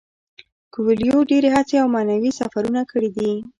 کویلیو ډیرې هڅې او معنوي سفرونه کړي دي.